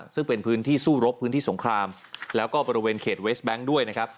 ซึ่งเป็นพื้นที่สู้รบพื้นที่สงครามแล้วก็บริเวณเขตเวสแบงค์ด้วยนะครับ